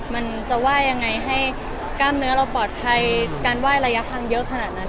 มันจะไหว้ยังไงให้กล้ามเนื้อเราปลอดภัยการไหว้ระยะทางเยอะขนาดนั้น